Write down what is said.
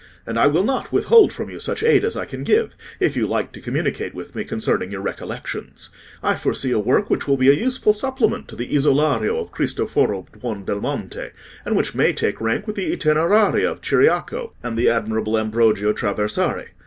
"And I will not withhold from you such aid as I can give, if you like to communicate with me concerning your recollections. I foresee a work which will be a useful supplement to the 'Isolario' of Christoforo Buondelmonte, and which may take rank with the 'Itineraria' of Ciriaco and the admirable Ambrogio Traversari.